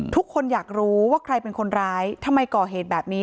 ทุกคนอยากรู้ว่าใครเป็นคนร้ายทำไมก่อเหตุแบบนี้